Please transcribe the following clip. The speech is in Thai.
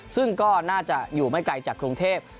ซึ่งก็น่าจะอยู่ไม่ไกลจากกรุงเทพ